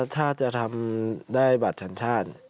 ถ้าจะทำได้บัตรสัญชาติ